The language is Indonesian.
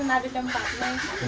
air ada di sini dulu